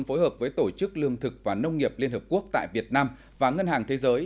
phối hợp với tổ chức lương thực và nông nghiệp liên hợp quốc tại việt nam và ngân hàng thế giới